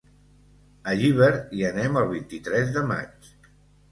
A Llíber hi anem el vint-i-tres de maig.